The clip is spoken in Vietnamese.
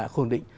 không ổn định